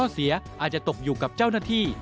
เสียอาจจะตกอยู่กับเจ้าหน้าที่